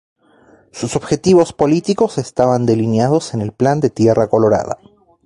Sus objetivos políticos estaban delineados en el Plan de Tierra Colorada.